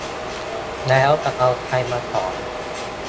แล้วจะเอาใครมาสอน ?